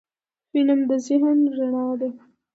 فلم د ذهن رڼا ده